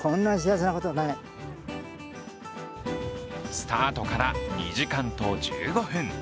スタートから２時間と１５分。